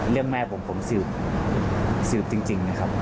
เรื่องแม่ผมผมสืบสืบจริงนะครับ